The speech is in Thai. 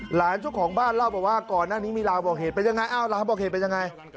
เจ้าของบ้านเล่าบอกว่าก่อนหน้านี้มีราวบอกเหตุเป็นยังไงอ้าวลาบอกเหตุเป็นยังไง